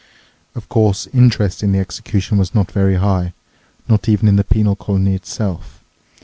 Of course, interest in the execution was not very high, not even in the penal colony itself.